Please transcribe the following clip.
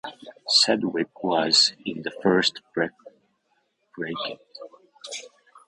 Sedgwick was in the first bracket.